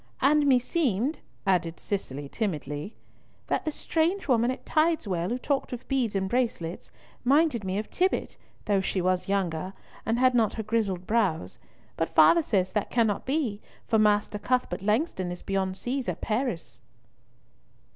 "And meseemed," added Cicely timidly, "that the strange woman at Tideswell who talked of beads and bracelets minded me of Tibbott, though she was younger, and had not her grizzled brows; but father says that cannot be, for Master Cuthbert Langston is beyond seas at Paris."